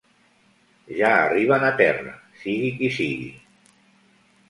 Ja arriben a terra, sigui qui sigui.